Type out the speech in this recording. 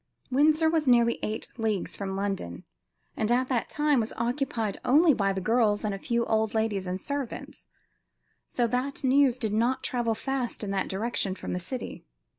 Windsor was nearly eight leagues from London, and at that time was occupied only by the girls and a few old ladies and servants, so that news did not travel fast in that direction from the city.